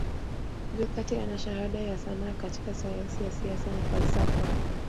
Jokate ana shahada ya sanaa katika sayansi ya Siasa na falsafa